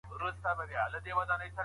زمانې داسي مېړونه لږ لیدلي